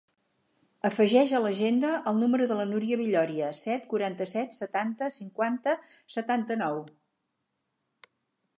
Afegeix a l'agenda el número de la Núria Villoria: set, quaranta-set, setanta, cinquanta, setanta-nou.